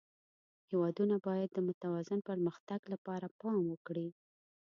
هېوادونه باید د متوازن پرمختګ لپاره پام وکړي.